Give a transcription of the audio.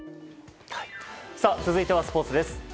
続いてはスポーツです。